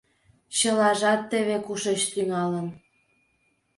Чылажат теве кушеч тӱҥалын.